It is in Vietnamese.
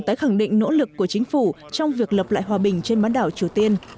tái khẳng định nỗ lực của chính phủ trong việc lập lại hòa bình trên bán đảo triều tiên